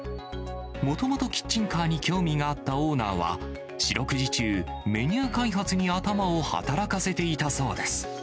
もともとキッチンカーに興味があったオーナーは、四六時中、メニュー開発に頭を働かせていたそうです。